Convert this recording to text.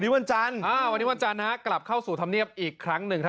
วันนี้วันจานกลับเข้าสู่ธรรมเนียบอีกครั้งหนึ่ง